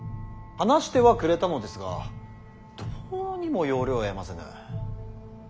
話してはくれたのですがどうにも要領を得ませぬ。